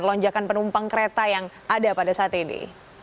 apakah ini sebanding dengan penumpang kereta yang ada pada saat ini